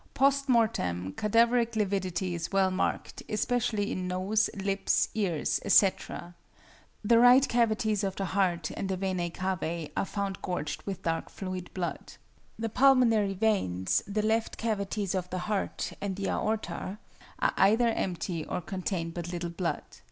Post mortem, cadaveric lividity is well marked, especially in nose, lips, ears, etc.; the right cavities of the heart and the venæ cavæ are found gorged with dark fluid blood. The pulmonary veins, the left cavities of the heart, and the aorta, are either empty or contain but little blood.